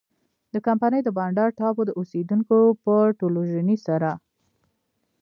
د کمپنۍ د بانډا ټاپو د اوسېدونکو په ټولوژنې سره.